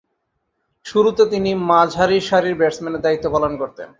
শুরুতে তিনি মাঝারিসারির ব্যাটসম্যানের দায়িত্ব পালন করতেন।